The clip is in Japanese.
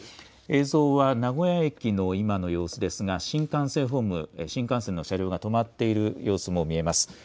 映像は、名古屋駅の今の様子ですが、新幹線ホーム、新幹線の車両が止まっている様子も見えます。